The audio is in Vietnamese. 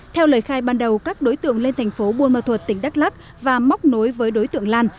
theo lời khai ban đầu các đối tượng lên thành phố buôn ma thuật tỉnh đắk lắc và móc nối với đối tượng lan